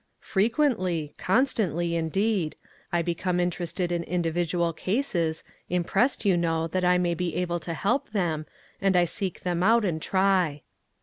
" Frequently ; constant!}', indeed. I become interested in individual cases, impressed, you know, that I may be able to help them, and I seek them out and try."